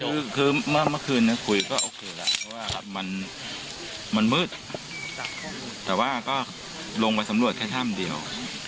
คือคือเมื่อเมื่อคืนเนี้ยคุยก็โอเคแหละเพราะว่าครับมันมันมืดแต่ว่าก็ลงมาสำรวจแค่ถ้ามันเดียว